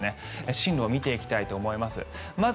進路を見ていきたいと思います。